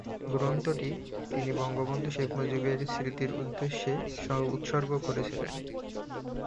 গ্রন্থটি তিনি বঙ্গবন্ধু শেখ মুজিবের স্মৃতির উদ্দেশ্যে উৎসর্গ করেছিলেন।